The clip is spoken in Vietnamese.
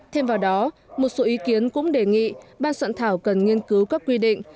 thêm vào đó một số ý kiến cũng đề nghị ban soạn thảo cần nghiên cứu các quy định